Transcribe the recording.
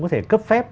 có thể cấp phép